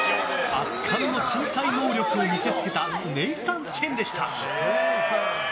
圧巻の身体能力を見せつけたネイサン・チェンでした。